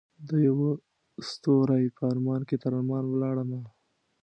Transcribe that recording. دیوه ستوری په ارمان کې تر ارمان ولاړمه